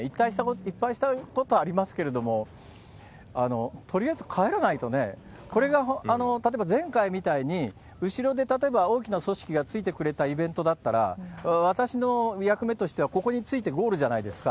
いっぱいしたいことありますけれども、とりあえず帰らないとね、これが例えば前回みたいに、後ろで、例えば大きな組織がついてくれたイベントだったら、私の役目としてはここに着いてゴールじゃないですか。